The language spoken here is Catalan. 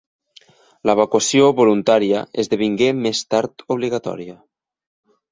L'evacuació voluntària esdevingué més tard obligatòria.